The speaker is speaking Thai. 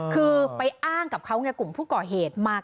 คือไปอ้างกับเขาไงกลุ่มผู้ก่อเหตุมา